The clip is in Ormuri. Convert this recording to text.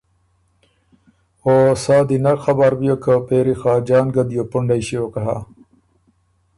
او سا دی نک خبر بیوک که پېری خاجان ګۀ دیوپُنډئ ݭیوک هۀ۔